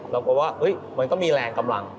เหมือนก็มีแรงกำลัง